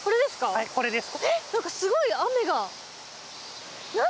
はいこれです。